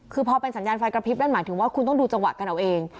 คือพอเป็นสัญญาณไฟกระพริบนั่นหมายถึงว่าคุณต้องดูจังหวะกันเอาเอง